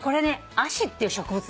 アシっていう植物。